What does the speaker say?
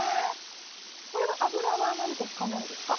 これは油は万実さん引かないですか？